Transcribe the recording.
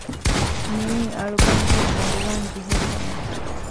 މިއީ އަޅުގަނޑުމެން މޮޅިވާންޖެހޭ ކަމެއް